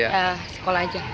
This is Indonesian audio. ya sekolah aja